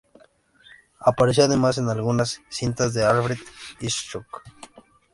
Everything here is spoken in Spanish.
Apareció además en algunas cintas de Alfred Hitchcock.